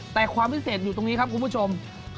แต่ความพิเศษอยู่ตรงนี้ครับคุณผู้ชม